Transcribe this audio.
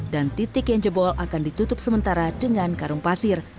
dan titik yang jebol akan ditutup sementara dengan karung pasir